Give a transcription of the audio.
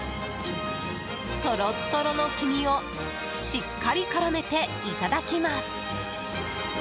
トロットロの黄身をしっかり絡めて、いただきます。